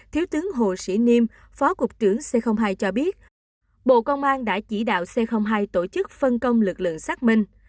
thiếu tướng hồ sĩ niêm phó cục trưởng c hai cho biết bộ công an đã chỉ đạo c hai tổ chức phân công lực lượng xác minh